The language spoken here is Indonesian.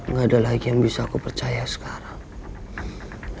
nggak ada lagi yang bisa aku percaya sekarang